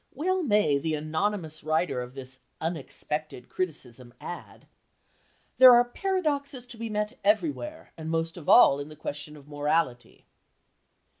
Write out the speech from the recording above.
Well may the anonymous writer of this unexpected criticism add: "There are paradoxes to be met everywhere, and most of all in the question of morality."